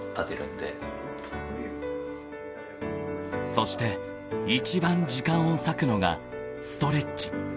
［そして一番時間を割くのがストレッチ］